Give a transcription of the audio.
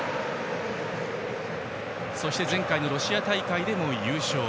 そして前回のロシア大会でも優勝。